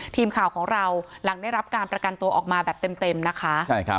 ทีมข่าวของเราหลังได้รับการประกันตัวออกมาแบบเต็มนะคะ